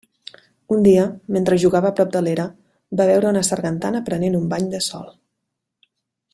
Un dia, mentre jugava prop de l'era, va veure una sargantana prenent un bany de sol.